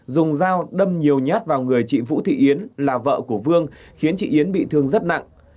dùng dao đâm nhiều nhát vào người chị vũ thị yến là vợ của vương khiến chị yến bị thương rất nặng